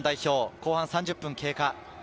後半３０分経過。